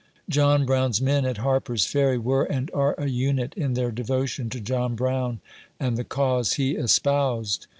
John Brown's men at Harper's "Ferry were and are a unit in their devotion to John Brown and the c?use he espoused.